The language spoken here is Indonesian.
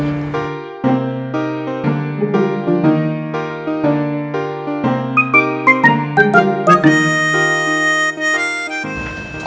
pergi ke darfas nih vey